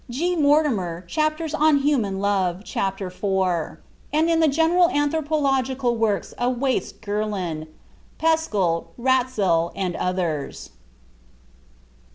G. Mortimer, Chapters on Human Love, Chapter IV; and in the general anthropological works of Waitz Gerland, Peschel, Ratzel and others.